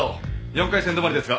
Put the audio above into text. ４回戦止まりですが。